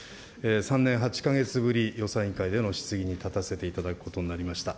３年８か月ぶり、予算委員会での質疑に立たせていただくことになりました。